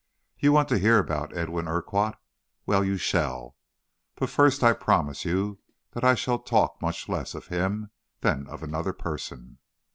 "You want to hear about Edwin Urquhart. Well, you shall, but first I promise you that I shall talk much less of him than of another person.